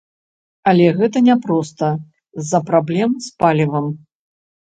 Але гэта няпроста з-за праблем з палівам.